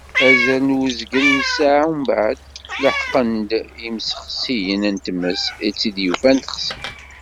Azal n uzgen n ssaɛa umbeεd, leḥqen-d yimsexsiyen n tmes i tt-id-yufan texsi.